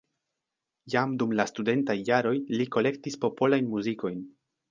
Jam dum la studentaj jaroj li kolektis popolajn muzikojn.